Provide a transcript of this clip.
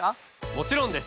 もちろんです！